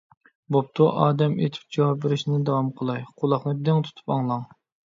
بوپتۇ ئادەم ئېتىپ جاۋاب بېرىشنى داۋام قىلاي. قۇلاقنى دىڭ تۇتۇپ ئاڭلاڭ: